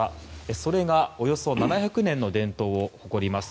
それがおよそ７００年の伝統を誇ります